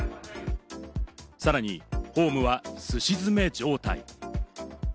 さらにホームはすし詰め状態。